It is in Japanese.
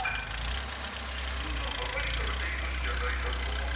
自分がバカにされているんじゃないかと思って。